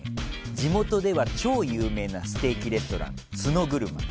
地元では超有名なステーキレストラン、角車。